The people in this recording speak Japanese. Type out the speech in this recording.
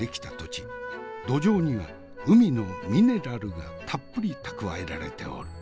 土壌には海のミネラルがたっぷり蓄えられておる。